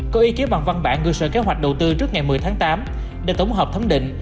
có ý kiến bằng văn bản ngư sở kế hoạch đầu tư trước ngày một mươi tháng tám để tổng hợp thấm định